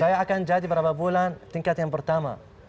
saya akan jadi berapa bulan tingkat yang pertama